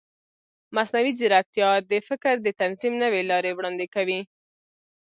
مصنوعي ځیرکتیا د فکر د تنظیم نوې لارې وړاندې کوي.